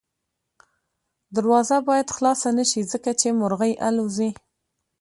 دروازه باید خلاصه نه شي ځکه چې مرغۍ الوځي.